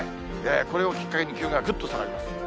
これをきっかけに気温がぐっと下がります。